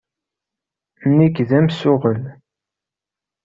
Nekk d amsuɣel.